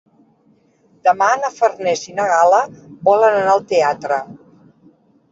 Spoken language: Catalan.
Demà na Farners i na Gal·la volen anar al teatre.